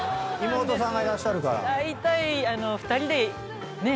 妹さんがいらっしゃるから。